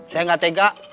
saya gak tega